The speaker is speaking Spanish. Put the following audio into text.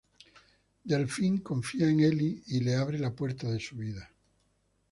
Delphine confía en Elle y le abre las puertas de su vida.